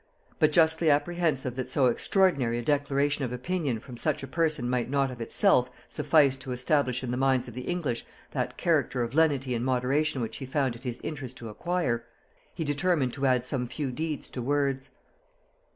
But justly apprehensive that so extraordinary a declaration of opinion from such a person might not of itself suffice to establish in the minds of the English that character of lenity and moderation which he found it his interest to acquire, he determined to add some few deeds to words.